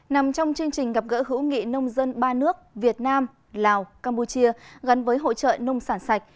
nằm trong chương trình gặp gỡ hữu nghị nông dân ba nước việt nam lào campuchia gắn với hội trợ nông sản sạch